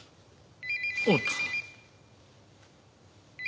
おっと。